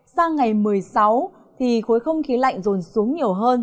sang ngày một mươi sáu thì khối không khí lạnh rồn xuống nhiều hơn